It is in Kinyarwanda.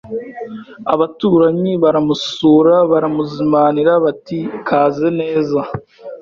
Abaturanyi baramusura baramuzimanira bati kaze neza